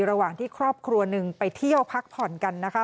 ระหว่างที่ครอบครัวหนึ่งไปเที่ยวพักผ่อนกันนะคะ